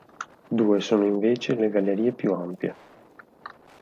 Due sono invece le gallerie più ampie.